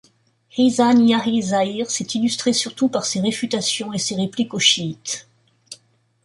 Ihsân Ilâhî Zhahîr s'est illustré surtout par ses réfutations et ses répliques aux chiites.